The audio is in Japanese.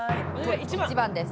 １番です。